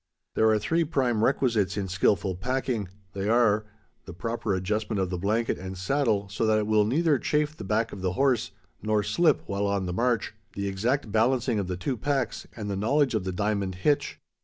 There are three prime requisites in skilful packing. They are: the proper adjustment of the blanket and saddle so that it will neither chafe the back of the horse nor slip while on the march; the exact balancing of the two packs; and the knowledge of the "diamond hitch."